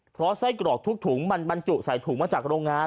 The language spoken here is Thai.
เพราะไส้กรอกทุกถุงมันบรรจุใส่ถุงมาจากโรงงาน